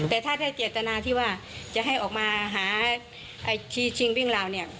แต่ถ้าเจตนาที่ว่าจะให้ออกมาหาชี้ชิงวิ่งราวเนี่ย